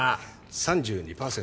３２％。